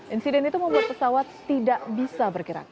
insiden itu membuat pesawat tidak bisa bergerak